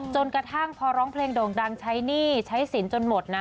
จนกระทั่งพอร้องเพลงโด่งดังใช้หนี้ใช้สินจนหมดนะ